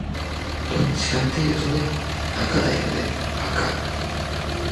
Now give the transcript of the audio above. どっちかっていうとね、赤だよね赤